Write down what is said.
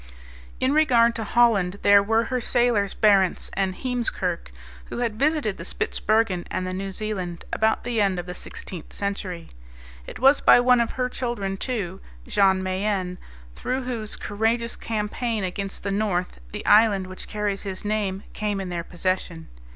In regard to Holland, there were her sailors Barentz and Heemskerk, who had visited the Spitsbergen and the New Zealand about the end of the sixteenth century. It was by one of her children too, Jean Mayen, through whose courageous campaign against the north the island which carries his name came in their possession.